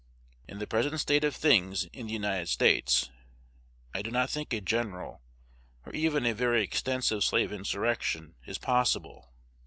In the present state of things in the United States, I do not think a general, or even a very extensive slave insurrection, is possible.